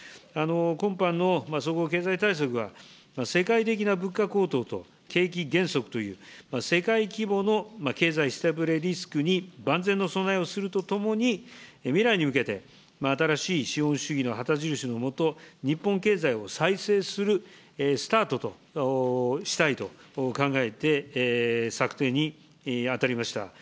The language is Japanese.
今般の総合経済対策は世界的な物価高騰と景気減速という、世界規模の経済下振れリスクに万全の備えをするとともに、未来に向けて、新しい資本主義の旗印の下、日本経済を再生するスタートとしたいと考えて、策定に当たりました。